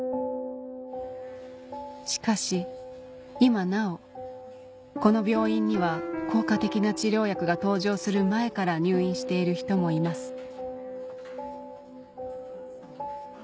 しかし今なおこの病院には効果的な治療薬が登場する前から入院している人もいます